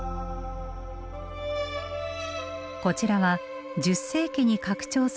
こちらは１０世紀に拡張された部分。